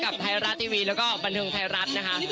ไทยรัฐทีวีแล้วก็บันเทิงไทยรัฐนะคะ